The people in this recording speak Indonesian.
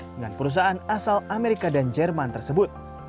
dengan perusahaan asal amerika dan jerman tersebut